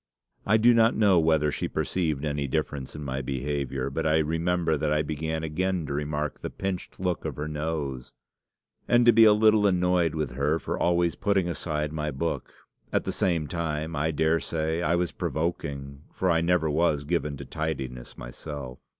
I do not know whether she perceived any difference in my behaviour, but I remember that I began again to remark the pinched look of her nose, and to be a little annoyed with her for always putting aside my book. At the same time, I daresay I was provoking, for I never was given to tidiness myself.